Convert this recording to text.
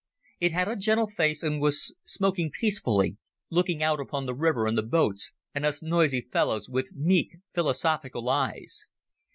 It had a gentle face, and was smoking peacefully, looking out upon the river and the boats and us noisy fellows with meek philosophical eyes.